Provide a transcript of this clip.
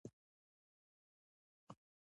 زۀ د اعتدال ملګرے يم او پۀ مکالمه يقين لرم -